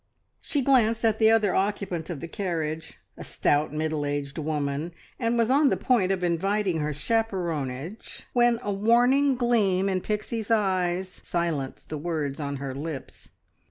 She glanced at the other occupant of the carriage a stout, middle aged woman, and was on the point of inviting her chaperonage when a warning gleam in Pixie's eyes silenced the words on her lips.